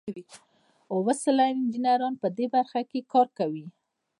اوه سلنه انجینران په دې برخه کې کار کوي.